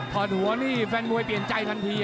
อดหัวนี่แฟนมวยเปลี่ยนใจทันที